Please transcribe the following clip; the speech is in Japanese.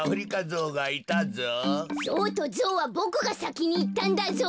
ゾウとゾはボクがさきにいったんだぞ。